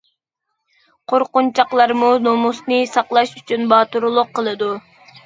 قورقۇنچاقلارمۇ نومۇسىنى ساقلاش ئۈچۈن باتۇرلۇق قىلىدۇ.